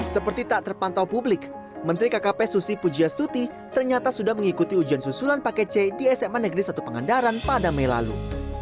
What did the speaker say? seperti tak terpantau publik menteri kkp susi pujiastuti ternyata sudah mengikuti ujian susulan paket c di sma negeri satu pangandaran pada mei lalu